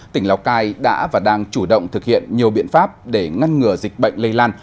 tỉnh lào cai đã và đang chủ động thực hiện nhiều biện pháp để ngăn ngừa dịch bệnh lây lan